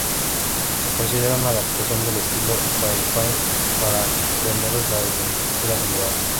Se considera una adaptación del estilo Fairbairn para remeros de altura elevada.